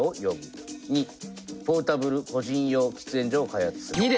「②ポータブル個人用喫煙所を開発する」。